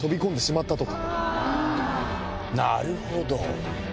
なるほど！